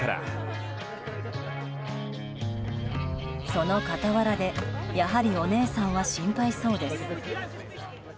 その傍らでやはりお姉さんは心配そうです。